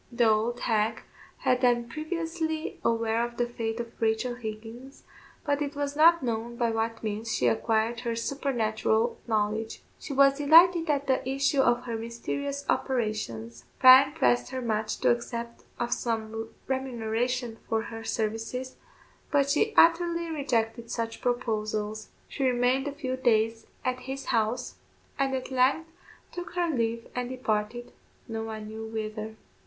The old hag had been previously aware of the fate of Rachel Higgins, but it was not known by what means she acquired her supernatural knowledge. She was delighted at the issue of her mysterious operations. Bryan pressed her much to accept of some remuneration for her services, but she utterly rejected such proposals. She remained a few days at his house, and at length took her leave and departed, no one knew whither.